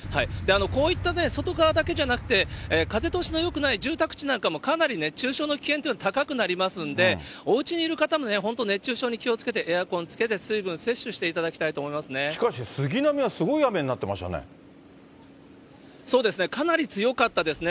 こういった外側だけじゃなくて、風通しのよくない住宅地なんかも、かなり熱中症の危険というのが高くなりますんで、おうちにいる方もね、本当、熱中症に気をつけて、エアコンつけて、水分摂しかし、杉並はすごい雨になそうですね、かなり強かったですね。